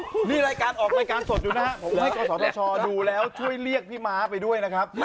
ผมไม่เกาะสอทชดูแล้วช่วยเรียกพี่ม้าไปด้วยนะครับ